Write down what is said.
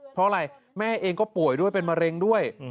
เพราะอะไรแม่เองก็ป่วยด้วยเป็นมะเร็งด้วย